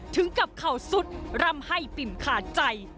ถึงกับเข่าสุดร่ำให้ปิ่มขาดใจ